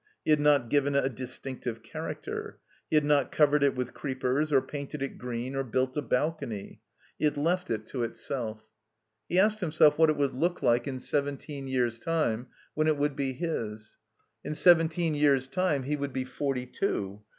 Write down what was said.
He had not given it a distinctive diaracter; he had not covered it with creepers or painted it green or built a bal cony. He had left it to itself. He asked himself what it would look like in 292 THE COMBINED MAZE seventeen years' time when it would be his. In seventeen years' time he would be forty two.